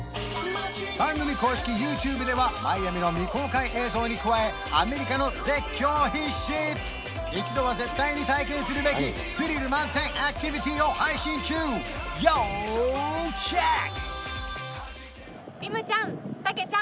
番組公式ＹｏｕＴｕｂｅではマイアミの未公開映像に加えアメリカの絶叫必至一度は絶対に体験するべきスリル満点アクティビティを配信中要チェック！